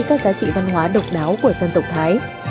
các giá trị văn hóa độc đáo của dân tộc thái